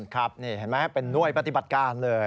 ครับนี่เห็นไหมเป็นหน่วยปฏิบัติการเลย